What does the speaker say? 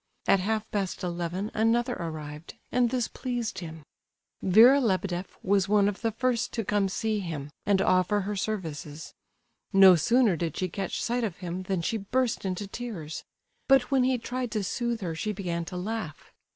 At half past eleven another arrived; and this pleased him. Vera Lebedeff was one of the first to come to see him and offer her services. No sooner did she catch sight of him than she burst into tears; but when he tried to soothe her she began to laugh.